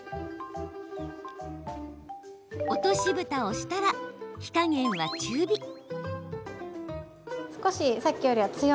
落としぶたをしたら火加減は中火。